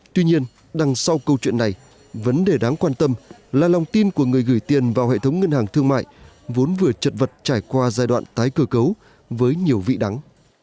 tuy nhiên đằng sau câu chuyện này vấn đề đáng quan tâm là lòng tin của người gửi tiền vào hệ thống ngân hàng thương mại vốn vừa chật vật trải qua giai đoạn tái cơ cấu với nhiều vị đắng